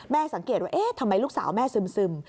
สังเกตว่าเอ๊ะทำไมลูกสาวแม่ซึม